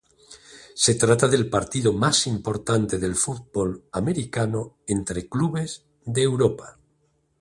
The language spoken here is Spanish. Se trata del partido más importante del fútbol americano entre clubes de Europa.